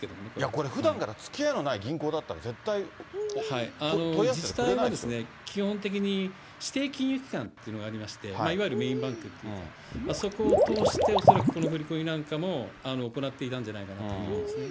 これ、ふだんからつきあいのない銀行だったら、絶対問い合わせてくれな自治体は基本的に、指定金融機関というのがありまして、いわゆるメインバンク、そこを通して、恐らくこの振り込みなんかも行っていたんじゃないかなと思うんですね。